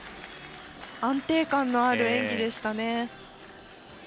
安定感のある演技でした。